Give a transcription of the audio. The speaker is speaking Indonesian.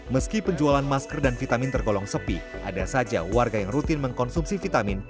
meski penjualan masker dan vitamin tergolong sepi ada saja warga yang rutin mengkonsumsi vitamin